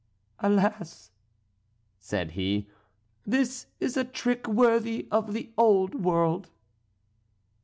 "Alas!" said he, "this is a trick worthy of the old world!"